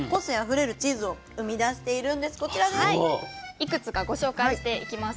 いくつかご紹介していきます。